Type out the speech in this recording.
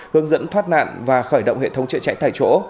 hướng dẫn thoát nạn và khởi động hệ thống chữa cháy tại chỗ